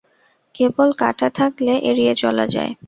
কেবল কাঁটা থাকলে এড়িয়ে চলা যায়।